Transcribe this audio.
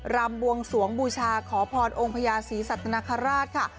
รำบวงสวงบูชาขอพรองค์พญาศรีสัตนคราชค่ะ